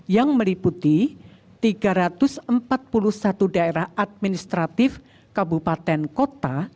yang meliputi tiga ratus empat puluh satu daerah administratif kabupaten kota